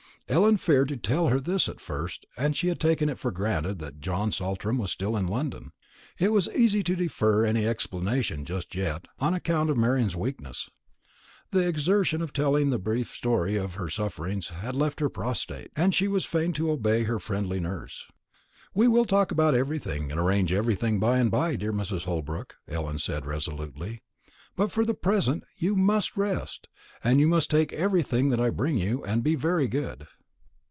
Ellen feared to tell her this at first; and she had taken it for granted that John Saltram was still in London. It was easy to defer any explanation just yet, on account of Marian's weakness. The exertion of telling the brief story of her sufferings had left her prostrate; and she was fain to obey her friendly nurse. "We will talk about everything, and arrange everything, by and by, dear Mrs. Holbrook," Ellen said resolutely; "but for the present you must rest, and you must take everything that I bring you, and be very good."